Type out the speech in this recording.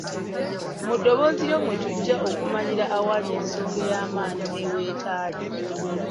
Mu ddoboozi lyo mwe tujja okumanyira awali ensonga ey'amaanyi ne weetali.